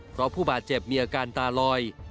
เพราะผู้บาดเจ็บมีอาการตาลอย